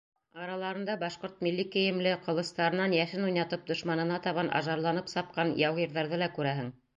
Араларында башҡорт милли кейемле, ҡылыстарынан йәшен уйнатып дошманына табан ажарланып сапҡан яугирҙәрҙе лә күрәһең.